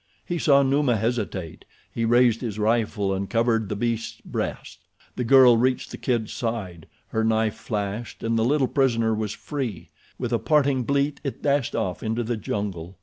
He saw Numa hesitate. He raised his rifle and covered the beast's breast. The girl reached the kid's side. Her knife flashed, and the little prisoner was free. With a parting bleat it dashed off into the jungle.